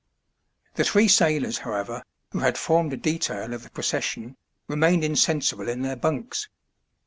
The three sailors, however, who had formed a detail of the procession remained insensible in their bunks.